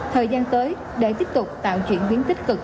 thời gian tới để tiếp tục tạo chuyển biến tích cực